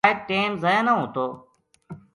شاید ٹیم ضائع نہ ہوتو